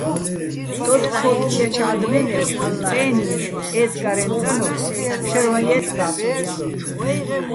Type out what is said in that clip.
ტოტ-ქო́კი ჲაჩო̆ ა́დმენევ წე́ნიჼ, ეზკა́რეჼ წანოლ შაჲრვაჼ ჲეწე და́ცოდჲაჼ.